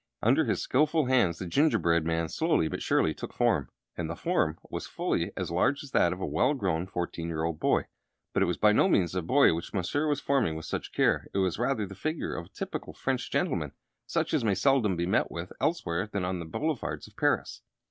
Under his skillful hands the gingerbread man slowly but surely took form; and the form was fully as large as that of a well grown fourteen year old boy. But it was by no means a boy that Monsieur was forming with such care; it was, rather, the figure of a typical French gentleman, such as may seldom be met with elsewhere than on the boulevards of Paris.